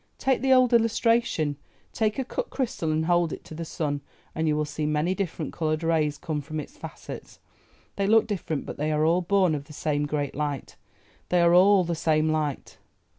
Take the old illustration—take a cut crystal and hold it in the sun, and you will see many different coloured rays come from its facets. They look different, but they are all born of the same great light; they are all the same light.